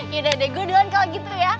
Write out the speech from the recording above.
yaudah deh gua doyan kalau gitu ya